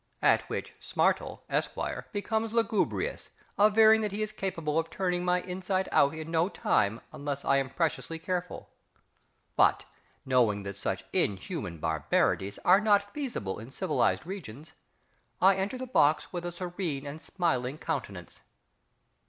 At which SMARTLE, Esq., becomes lugubrious, averring that he is capable of turning my inside out in no time unless I am preciously careful. But, knowing that such inhuman barbarities are not feasible in civilised regions, I enter the box with a serene and smiling countenance....